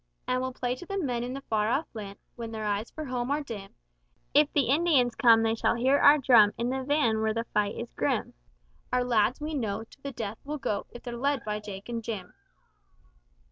And we'll play to the men in the far off land, When their eyes for home are dim; If the Indians come, they shall hear our drum In the van where the fight is grim. Our lads we know, to the death will go, If they're led by Jake and Jim.'